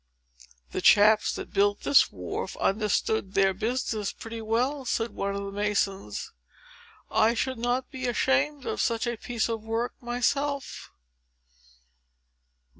"The chaps, that built this wharf, understood their business pretty well," said one of the masons. "I should not be ashamed of such a piece of work myself."